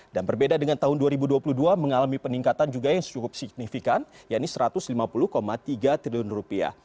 dan berbeda dengan tahun dua ribu dua puluh dua mengalami peningkatan juga yang cukup signifikan yaitu satu ratus lima puluh tiga triliun rupiah